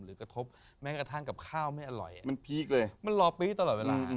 กระทบแม้กระทั่งกับข้าวไม่อร่อยมันพีคเลยมันรอปีกตลอดเวลา